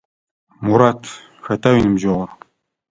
Мурат, хэта уиныбджэгъур?